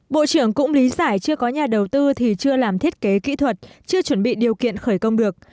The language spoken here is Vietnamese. bộ trưởng cũng lý giải chưa có nhà đầu tư thì chưa làm thiết kế kỹ thuật chưa chuẩn bị điều kiện khởi công được